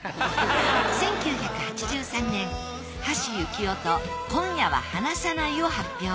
１９８３年橋幸夫と『今夜は離さない』を発表。